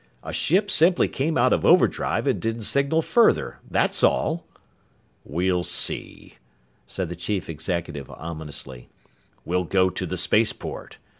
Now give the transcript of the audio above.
"A ship simply came out of overdrive and didn't signal further. That's all!" "We'll see," said the chief executive ominously. "We'll go to the spaceport.